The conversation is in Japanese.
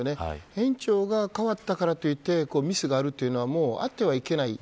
園長が代わったからといってミスがある、というのはあってはいけない。